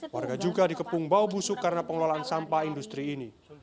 warga juga dikepung bau busuk karena pengelolaan sampah industri ini